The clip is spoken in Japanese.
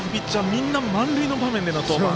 みんな、満塁の場面での登板。